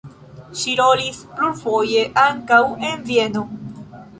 Ŝi rolis plurfoje ankaŭ en Vieno.